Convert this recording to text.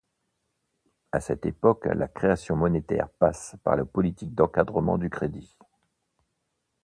À cette époque, la création monétaire passe par la politique d’encadrement du crédit.